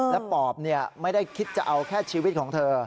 และปอบไม่ได้คิดจะเอาแค่ชีวิตของเธอ